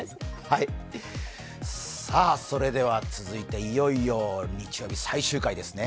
続いて、いよいよ日曜日、最終回ですね。